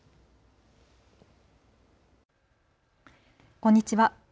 こんにちは。